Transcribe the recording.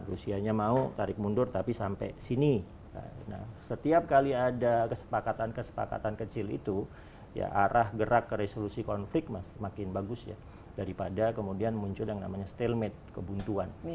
rusia nya mau tarik mundur tapi sampai sini setiap kali ada kesepakatan kesepakatan kecil itu arah gerak resolusi konflik semakin bagus daripada kemudian muncul yang namanya stalemate kebuntuan